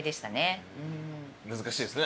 難しいですね